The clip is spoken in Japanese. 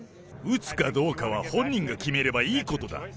打つかどうかは本人が決めればいいことだ。